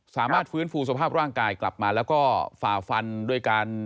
สามารถฟื้นฟูสภาพร่างกายกลับมาแล้วก็ฝ่าฟันด้วยการ